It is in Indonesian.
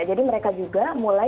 jadi mereka juga mulai belajar